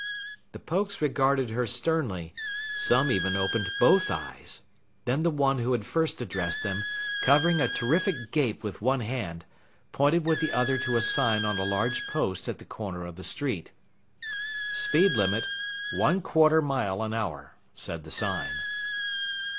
The Pokes regarded her sternly. Some even opened both eyes. Then the one who had first addressed them, covering a terrific gape with one hand, pointed with the other to a sign on a large post at the corner of the street. "Speed limit 1/4 mile an hour" said the sign.